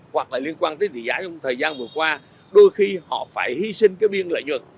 hoặc liên quan tới tỷ giá trong thời gian vừa qua đôi khi họ phải hy sinh biên lợi nhuận